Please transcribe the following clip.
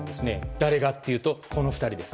誰がっていうと、この２人です。